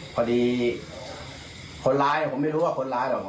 พอดีคนร้ายผมไม่รู้ว่าคนร้ายหรอ